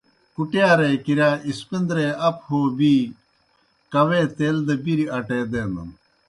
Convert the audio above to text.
کُٹِیارے کِرِیا اسپندرے اپوْ ہو بی کاؤے تیل دہ بِریْ اٹے دینَن۔